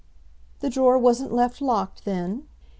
"The drawer wasn't left locked, then?"